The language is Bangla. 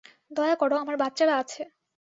দয়া করো, আমার বাচ্চারা আছে।